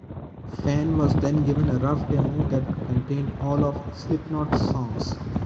Fehn was then given a rough demo that contained all of Slipknot's songs.